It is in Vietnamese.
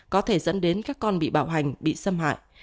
có thể dẫn đến các con bị bạo hành bị xâm hại